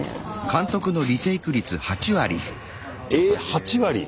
えっ８割⁉